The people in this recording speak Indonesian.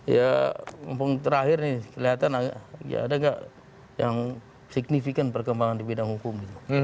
ya mumpung terakhir nih kelihatan ya ada nggak yang signifikan perkembangan di bidang hukum